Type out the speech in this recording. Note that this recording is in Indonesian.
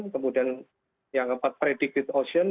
kemudian yang keempat predicted ocean